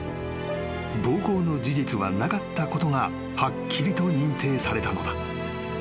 ［暴行の事実はなかったことがはっきりと認定されたのだ］